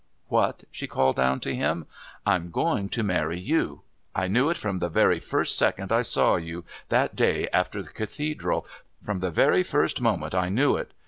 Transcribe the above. "What?" she called down to him. "I'm going to marry you. I knew it from the very first second I saw you, that day after Cathedral from the very first moment I knew it.